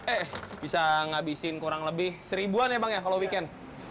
eh bisa ngabisin kurang lebih seribuan ya bang ya kalau weekend